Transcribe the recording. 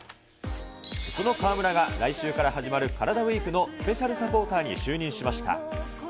その河村が来週から始まるカラダＷＥＥＫのスペシャルサポーターに就任しました。